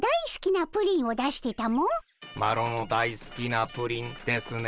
「マロのだいすきなプリン」ですね？